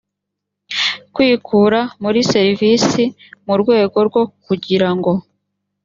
kwikura muri serivisi mu rwego rwo kugira ngo